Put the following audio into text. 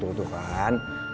tuh tuh kan